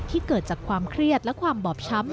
เกิดจากความเครียดและความบอบช้ำ